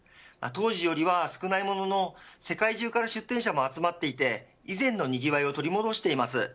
当時よりは少ないものの世界中から出展者も集まっていて以前のにぎわいを取り戻しています。